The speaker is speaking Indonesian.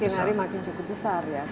tiap hari makin cukup besar ya